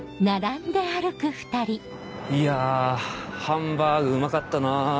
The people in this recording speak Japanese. いやハンバーグうまかったな。